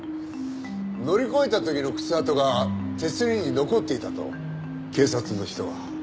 乗り越えた時の靴跡が手すりに残っていたと警察の人が。